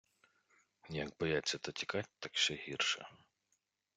- Як бояться та тікать, так ще гірше.